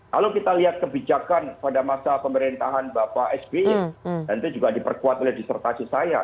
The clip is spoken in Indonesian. kalau kita lihat kebijakan pada masa pemerintahan bapak sby dan itu juga diperkuat oleh disertasi saya